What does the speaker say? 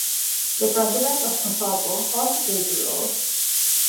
The President of Kosovo also plays a role.